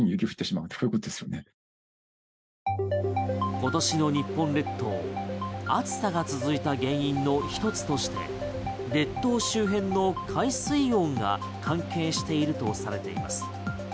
今年の日本列島暑さが続いた原因の一つとして列島周辺の海水温が関係しているとされています。